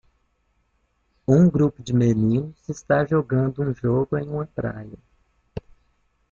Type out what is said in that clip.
Um grupo de meninos está jogando um jogo em uma praia.